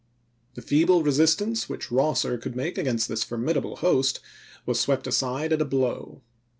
The feeble resistance which Rosser p. 52. could make against this formidable host was swept aside at a blow.